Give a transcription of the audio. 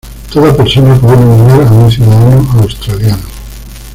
Toda persona puede nominar a un ciudadano australiano.